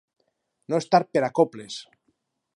No estar per a coples.